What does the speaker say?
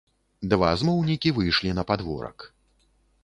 Два змоўнікі выйшлі на падворак.